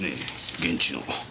現地の。